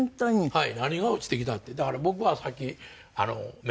はい。